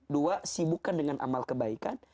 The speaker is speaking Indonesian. dua sibukkan dengan amal kebaikan